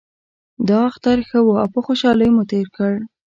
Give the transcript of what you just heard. دا اختر ښه و او په خوشحالۍ مو تیر کړ